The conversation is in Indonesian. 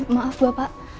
maaf bu pak